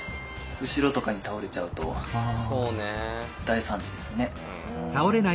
後ろとかに倒れちゃうと大惨事ですね。